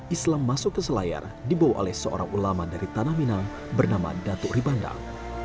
islam masuk ke selayar dibawa oleh seorang ulama dari tanah minang bernama datuk ribandang